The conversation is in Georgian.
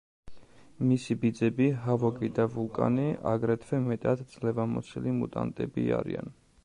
მისი ბიძები, ჰავოკი და ვულკანი, აგრეთვე მეტად ძლევამოსილი მუტანტები არიან.